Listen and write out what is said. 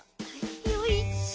よいしょ。